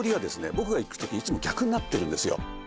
僕が行く時いつも逆になってるんですよ